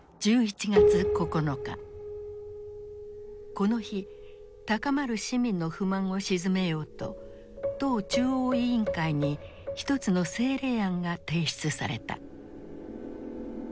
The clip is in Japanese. この日高まる市民の不満を鎮めようと党中央委員会に一つの政令案が提出された。